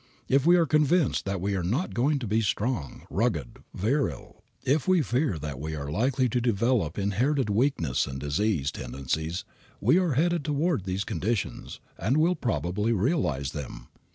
If we are convinced that we are not going to be strong, rugged, virile, if we fear that we are likely to develop inherited weaknesses and disease tendencies, we are headed toward these conditions, and will probably realize them.